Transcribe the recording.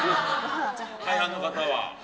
大半の方は。